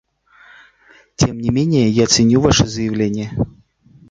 Тем не менее я ценю ваше заявление.